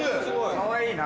かわいいな。